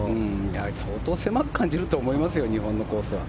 相当狭く感じると思いますよ日本のコースは。